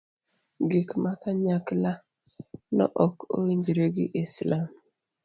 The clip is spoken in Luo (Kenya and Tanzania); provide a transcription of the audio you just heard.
gik ma kanyakla no ok owinjre gi islam